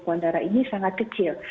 risiko pembekuan darah ini sangat kecil